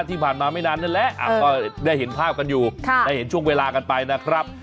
ที่ผ่านมาไม่นานนั่นแหละก็ได้เห็นภาพกันอยู่ได้เห็นช่วงเวลากันไปนะครับ